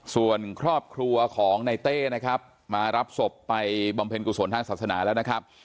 ส่วนครอบครัวของในเต้นะครับมารับศพไปบำเพ็ญกุศลทางศาสนาแล้วนะครับ